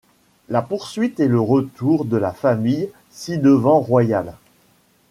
La Poursuite et le retour de la famille ci-devant royale...